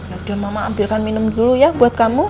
ada mama ambilkan minum dulu ya buat kamu